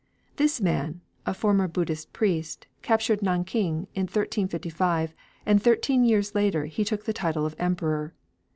This man, a former Buddhist priest, captured Nankin in 1355, and thirteen years later he took the title of Emperor.